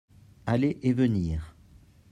aller et venir.